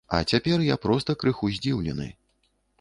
А цяпер я проста крыху здзіўлены.